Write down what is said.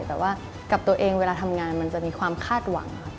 แต่ว่ากับตัวเองเวลาทำงานมันจะมีความคาดหวังค่ะ